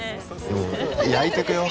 もう焼いてくよ